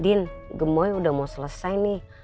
din gemboy udah mau selesai nih